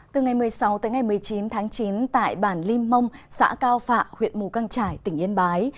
từ ngày một mươi sáu một mươi chín tháng chín tại bản linh mông xã cao phạ huyện mù căng trải tỉnh yên bái